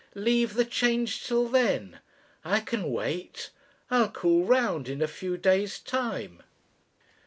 Leave the change till then. I can wait. I'll call round in a few days' time."